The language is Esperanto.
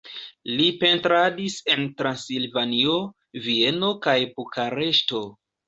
Li pentradis en Transilvanio, Vieno kaj Bukareŝto.